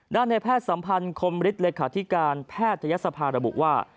ในแพทย์สัมพันธ์คมฤทธิเลขาธิการแพทยศภาระบุว่า